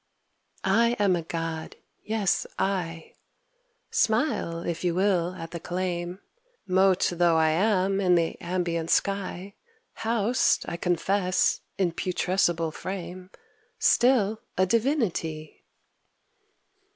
I am a god; yes, I, (Smile, if you will, at the claim) Mote though I am in the ambient sky, Housed, I confess, in putrescible frame, Still, a divinity.